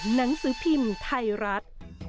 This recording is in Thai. หนังสือพิมพ์ไทยรัฐ